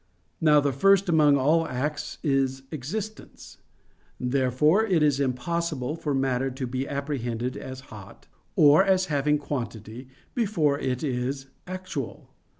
Now the first among all acts is existence. Therefore, it is impossible for matter to be apprehended as hot, or as having quantity, before it is actual.